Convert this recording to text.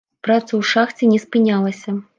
Праца ў шахце не спынялася.